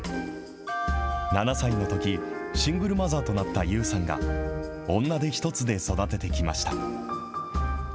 ７歳のとき、シングルマザーとなったＹＯＵさんが、女手１つで育ててきました。